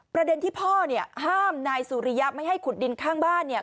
ประเด็นที่พ่อเนี่ยห้ามนายสุริยะไม่ให้ขุดดินข้างบ้านเนี่ย